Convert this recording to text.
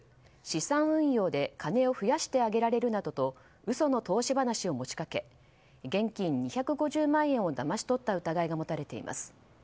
資産運用で金を増やしてあげられるなどと嘘の投資話を持ち掛け現金２５０万円をだまし取った疑いが持たれています。